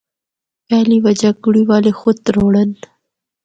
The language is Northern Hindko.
پہلی وجہ کڑی والے خود تروڑّن۔